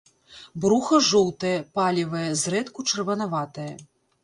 Бруха жоўтае, палевае, зрэдку чырванаватае.